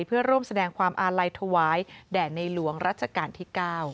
เพื่อร่วมแสดงความอาลัยถวายแด่ในหลวงรัชกาลที่๙